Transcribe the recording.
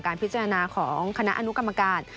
พิจารณาของคณะอนุกรรมการ